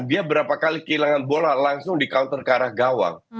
dia berapa kali kehilangan bola langsung di counter ke arah gawang